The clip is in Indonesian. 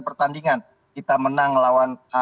pertandingan kita menang lawan